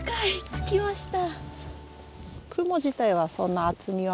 着きました。